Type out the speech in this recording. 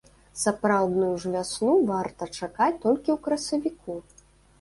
Сапраўдную ж вясну варта чакаць толькі ў красавіку.